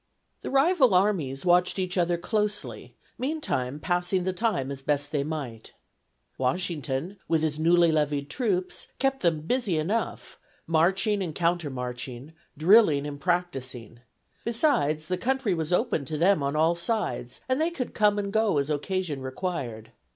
The rival armies watched each other closely, meantime passing the time as best they might. Washington, with his newly levied troops, kept them busy enough, marching and counter marching, drilling and practising; besides, the country was open to them on all sides, and they could come and go as occasion required.